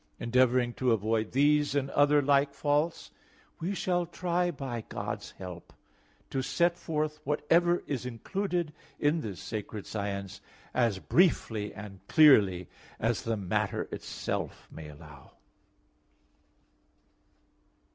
Endeavoring to avoid these and other like faults, we shall try, by God's help, to set forth whatever is included in this Sacred Science as briefly and clearly as the matter itself may allow.